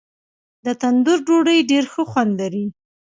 د تندور ډوډۍ ډېر ښه خوند لري.